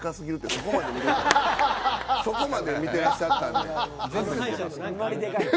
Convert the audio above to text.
そこまで見ていらっしゃったので。